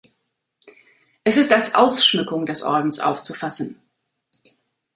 Es ist als Ausschmückung des Ordens aufzufassen.